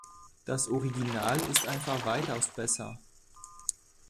Das Original ist einfach weitaus besser.